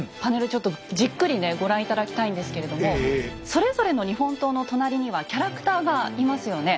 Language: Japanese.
ちょっとじっくりご覧頂きたいんですけれどもそれぞれの日本刀の隣にはキャラクターがいますよね。